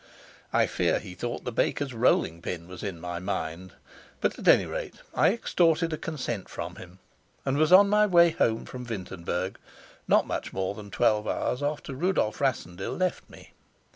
I fear he thought the baker's rolling pin was in my mind, but at any rate I extorted a consent from him, and was on my way home from Wintenberg not much more than twelve hours after Rudolf Rassendyll left me.